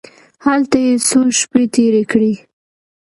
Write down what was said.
هلته یې څو شپې تېرې کړې.